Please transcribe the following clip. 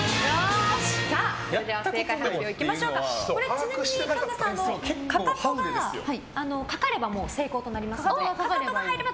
ちなみに神田さんかかとがかかれば成功となります。